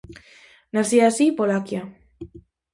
Nacía así Polaqia.